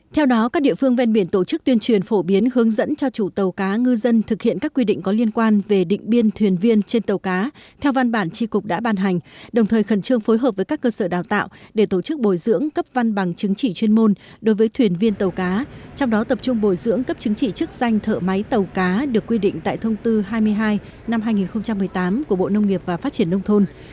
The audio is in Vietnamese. theo đó các địa phương ven biển tổ chức tuyên truyền phổ biến hướng dẫn cho chủ tàu cá ngư dân thực hiện các quy định có liên quan về định biên thuyền viên trên tàu cá theo văn bản tri cục đã ban hành đồng thời khẩn trương phối hợp với các cơ sở đào tạo để tổ chức bồi dưỡng cấp văn bằng chứng chỉ chuyên môn đối với thuyền viên tàu cá trong đó tập trung bồi dưỡng cấp chứng chỉ chức danh thợ máy tàu cá được quy định tại thông tư hai mươi hai năm hai nghìn một mươi tám của bộ nông nghiệp và phát triển nông thôn